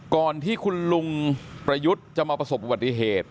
ก่อนที่คุณลุงประยุทธ์จะมาประสบอุบัติเหตุ